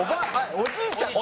おじいちゃんか。